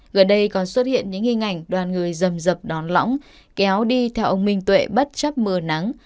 gần đây còn xuất hiện những hình ảnh đoàn người rầm dập đón lõng kéo đi theo ông minh tuệ bất chấp mưa nắng